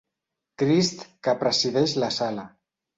Crist que presideix la sala.